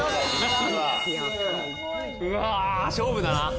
うわ勝負だな。